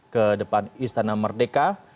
ke depan istana merdeka